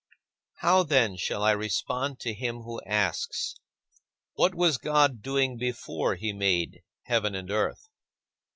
How, then, shall I respond to him who asks, "What was God doing before he made heaven and earth?"